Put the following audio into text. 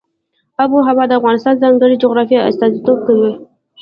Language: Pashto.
آب وهوا د افغانستان د ځانګړي جغرافیه استازیتوب کوي.